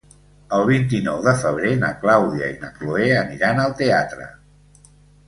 El vint-i-nou de febrer na Clàudia i na Cloè aniran al teatre.